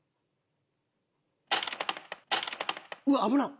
うわっ危なっ！